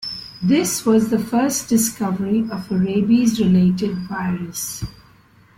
This was the first discovery of a rabies-related virus.